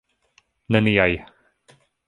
Ne niaj!